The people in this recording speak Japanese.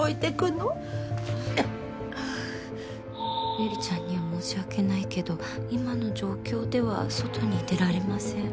「ゆりちゃんには申し訳ないけど今の状況では外に出られません」